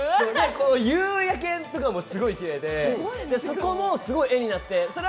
夕焼けとかもすごいきれいで、すごい絵になって。